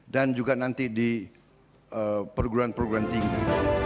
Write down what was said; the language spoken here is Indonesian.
dan juga nanti di perguruan perguruan tinggi